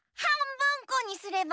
ぶんこにすれば？